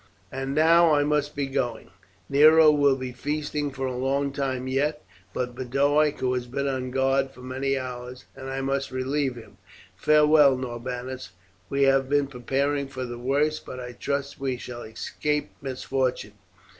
And now I must be going. Nero will be feasting for a long time yet; but Boduoc has been on guard for many hours and I must relieve him. Farewell, Norbanus; we have been preparing for the worst, but I trust we shall escape misfortune.